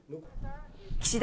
岸田